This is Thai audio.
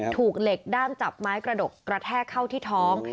ถูกเหล็กด้ามจับไม้กระดกกระแทกเข้าที่ท้อง